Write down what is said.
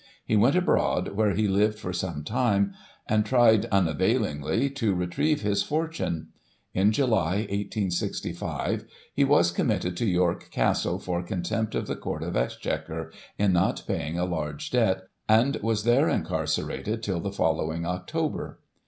He went abroad, where he Uved for some time, and tried, unavailingly, to retrieve his fortune. In July, 1865, he was committed to York Castle for Contempt of the Court of Exchequer, in not paying a large debt, and was there incarcerated till the following October.